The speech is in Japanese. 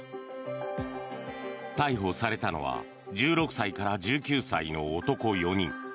逮捕されたのは１６歳から１９歳の男４人。